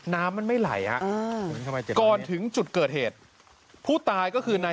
น้ำมันไม่ไหลก่อนถึงจุดเกิดเหตุผู้ตายก็คือนาย